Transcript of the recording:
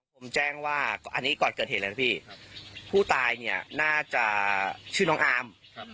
ผมแจ้งว่าอันนี้ก่อนเกิดเหตุเลยนะพี่ผู้ตายเนี่ยน่าจะชื่อน้องอาม